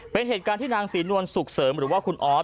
เป็นเหตุการณ์ที่นางศรีนวลสุขเสริมหรือว่าคุณออส